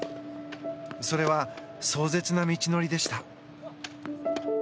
それは壮絶な道のりでした。